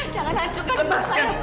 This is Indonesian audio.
jangan hancurkan hidup saya